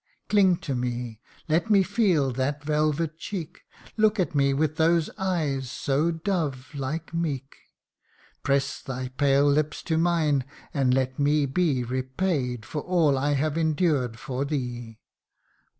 Cling to me ! let me feel that velvet cheek Look at me, with those eyes so dove like meek ! Press thy pale lips to mine, and let me be Repaid for all I have endured for thee.